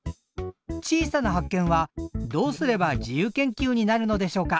小さな発見はどうすれば自由研究になるのでしょうか？